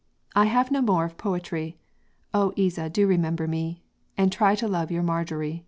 I have no more of poetry; O Isa do remember me, And try to love your Marjory."